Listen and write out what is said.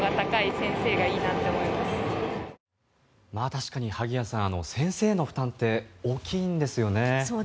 確かに萩谷さん先生の負担って大きいんですよね。